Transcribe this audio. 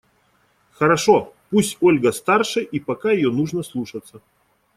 Хорошо! Пусть Ольга старше и пока ее нужно слушаться.